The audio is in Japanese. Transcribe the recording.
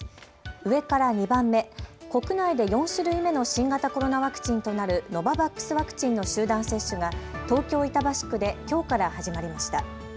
上から２番目、国内で４種類目の新型コロナワクチンとなるノババックスワクチンの集団接種が東京板橋区できょうから始まりました。